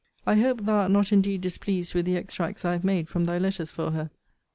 I hope thou art not indeed displeased with the extracts I have made from thy letters for her.